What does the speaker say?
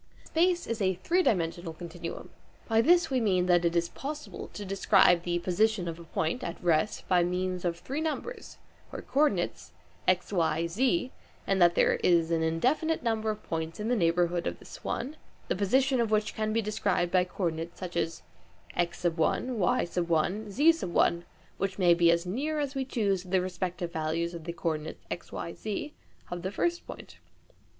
Space is a three dimensional continuum. By this we mean that it is possible to describe the position of a point (at rest) by means of three numbers (co ordinales) x, y, z, and that there is an indefinite number of points in the neighbourhood of this one, the position of which can be described by co ordinates such as x, y, z, which may be as near as we choose to the respective values of the co ordinates x, y, z, of the first point.